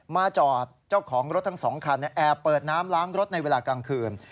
มาจอดเจ้าของรถทั้ง๒คันแอบเปิดน้ำล้างรถในเวลากลางคืน